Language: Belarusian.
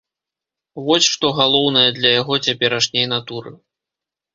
Вось што галоўнае для яго цяперашняй натуры.